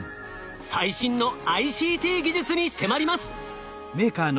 最新のＩＣＴ技術に迫ります。